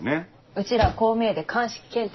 うちらこう見えて鑑識検定